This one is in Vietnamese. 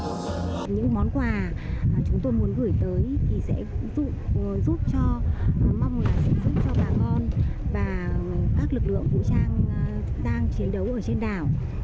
sẽ giúp cho mong là sẽ giúp cho bà con và các lực lượng vũ trang đang chiến đấu ở trên đảo